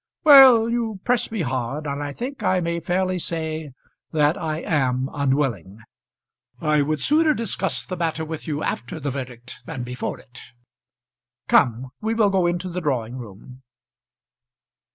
"Well; you press me hard, and I think I may fairly say that I am unwilling. I would sooner discuss the matter with you after the verdict than before it. Come; we will go into the drawing room."